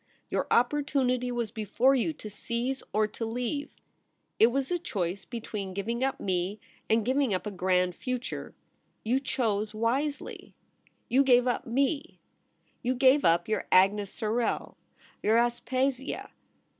Your op portunity was before you to seize or to leave. It was a choice between giving up me, and giving up a grand future. You chose wisely. You gave up — me. You gave up your Agnes Sorel, your Aspasia.